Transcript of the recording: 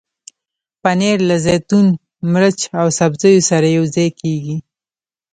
پنېر له زیتون، مرچ او سبزیو سره یوځای کېږي.